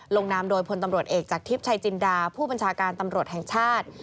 ลงนามโดยพลตำรวจเอกจากทิพย์ชัยจินดาผู้บัญชาการตำรวจแห่งชาติ